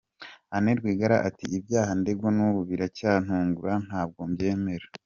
Anne Rwigara at “ibyaha ndegwa n’ubu biracyantungura ,ntabwo mbyemera.”